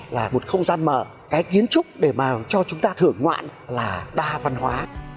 là một không gian mở cái kiến trúc để mà cho chúng ta thưởng ngoạn là đa văn hóa